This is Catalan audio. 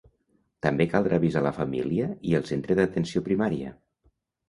També caldrà avisar la família i el Centre d'Atenció Primària.